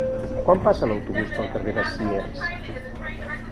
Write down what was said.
Quan passa l'autobús pel carrer Besiers?